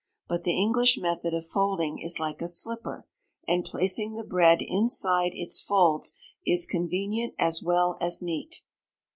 But the English method of folding is like a slipper, and placing the bread inside its folds is convenient as well as neat.